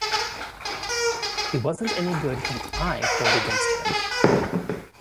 He wasn't any good when "I" played against him".